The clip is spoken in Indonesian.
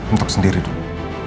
untuk sendiri dulu